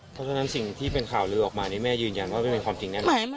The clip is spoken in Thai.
เพราะฉะนั้นสิ่งที่เป็นข่าวลือออกมานี่แม่ยืนยันว่าไม่เป็นความจริงแน่นอน